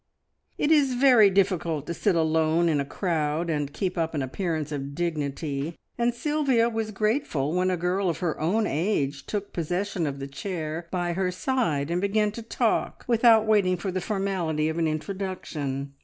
It is very difficult to sit alone in a crowd and keep up an appearance of dignity, and Sylvia was grateful when a girl of her own age took possession of the chair by her side, and began to talk without waiting for the formality of an introduction.